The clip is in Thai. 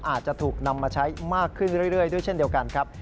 อาจจะถูกนำมาใช้มากขึ้นเรื่อยด้วยเช่นเดียวกันครับ